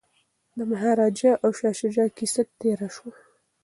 د مهاراجا او شاه شجاع کیسه تیره شوه.